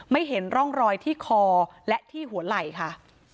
เห็นร่องรอยที่คอและที่หัวไหล่ค่ะ